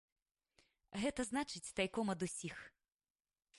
Гэта значыць тайком ад усіх.